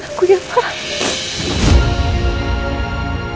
aku ya pak